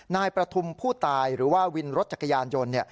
นายประทุมผู้ตายหรือว่าวินรถจักรยานยนต์